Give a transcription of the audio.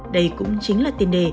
đây cũng chính là tiền đề